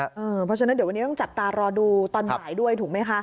เพราะฉะนั้นเดี๋ยววันนี้ต้องจับตารอดูตอนบ่ายด้วยถูกไหมคะ